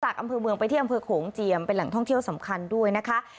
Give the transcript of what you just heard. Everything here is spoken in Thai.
อำเภอเมืองไปที่อำเภอโขงเจียมเป็นแหล่งท่องเที่ยวสำคัญด้วยนะคะ